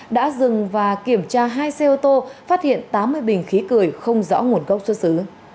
đã dừng và kiểm tra hai xe ô tô phát hiện tám mươi bình khí cười không rõ nguồn gốc xuất xứ